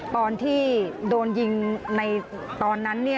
ตอนที่โดนยิงในตอนนั้น